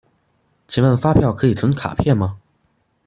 請問發票可以存卡片嗎？